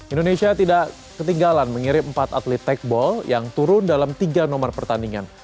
indonesia tidak ketinggalan mengirim empat atlet techball yang turun dalam tiga nomor pertandingan